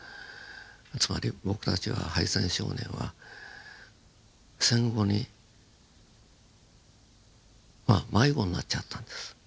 つまり僕たちは敗戦少年は戦後にまあ迷子になっちゃったんです。